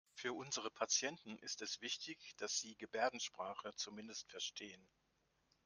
Für unsere Patienten ist es wichtig, dass Sie Gebärdensprache zumindest verstehen.